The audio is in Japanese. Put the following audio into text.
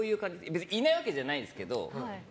別にいないわけじゃないんですけど。